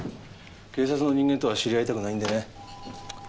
警察の人間とは知り合いたくないんでね。